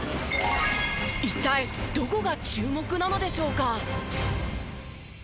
一体どこが注目なのでしょうか？